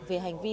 về hành vi